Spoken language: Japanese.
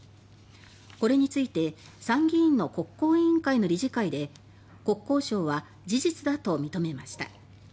これについて参議院の国交委員会の理事会で国交省は「事実だ」と認めました。